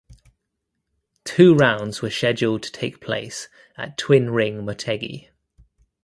Two rounds were scheduled to take place at Twin Ring Motegi.